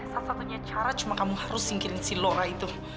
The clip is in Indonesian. satu satunya cara cuma kamu harus singkirin si lora itu